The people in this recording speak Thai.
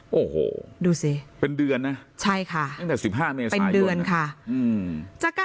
โหดูสิเป็นเดือนนะใช่ค่ะนั้นแต่สิบห้าเมื่อสายยกเป็นเดือนค่ะ